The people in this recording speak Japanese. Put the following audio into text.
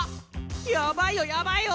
やばいよやばいよ！